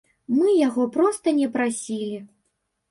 Мы яго проста не прасілі.